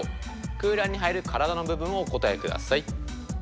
空欄に入る体の部分をお答えください。